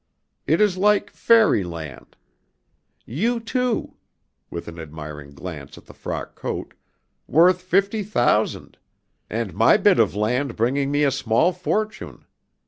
It is like fairy land. You, too," with an admiring glance at the frock coat, "worth fifty thousand. And my bit of land bringing me a small fortune.